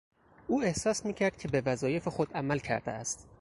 او احساس میکرد که به وظایف خود عمل کرده است.